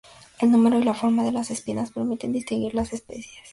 El número y la forma de las espinas permiten distinguir las especies.